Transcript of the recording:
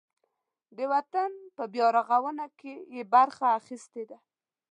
د وطن په بیارغاونه کې یې برخه اخیستې ده.